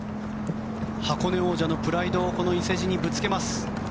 箱根王者のプライドをこの伊勢路にぶつけます。